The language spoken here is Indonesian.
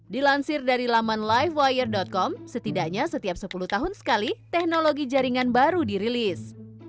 dilansir dari laman livewire com setidaknya setiap sepuluh tahun sekali teknologi jaringan baru dirilis